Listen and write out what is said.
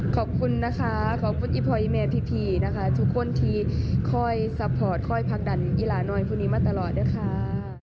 ขอบคุณนะคะขอบคุณอีพรอยิเมย์พีนะคะทุกคนที่คอยซัพพอร์ตคอยพักดันอีหลานอยคู่นี้มาตลอดนะคะ